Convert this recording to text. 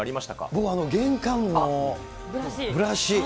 僕、玄関のブラシ。